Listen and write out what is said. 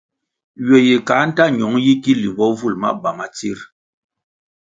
Ywe yi kā nta ñong yi ki limbo vul maba ma tsir?